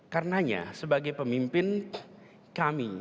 karenanya sebagai pemimpin kami